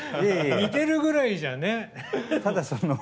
似てるぐらいじゃね。